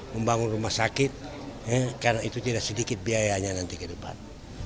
membangun rumah sakit karena itu tidak sedikit biayanya nanti ke depan